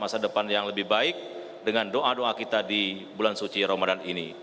dan kita tetap masa depan yang lebih baik dengan doa doa kita di bulan suci ramadhan ini